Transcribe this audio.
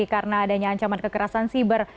karena adanya ancaman kekerasan siber